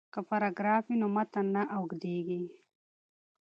که پاراګراف وي نو متن نه اوږدیږي.